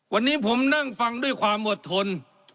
วันนี้ผมนั่งฟังด้วยความอดทน